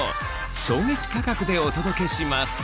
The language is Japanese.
衝撃価格でお届けします